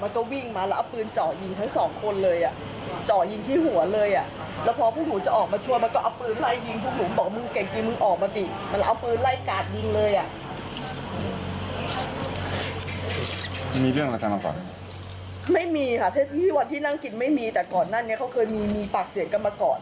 แต่ก่อนนั้นเนี่ยเค้าเคยมีปากเสียงกันมาก่อน